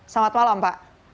selamat malam pak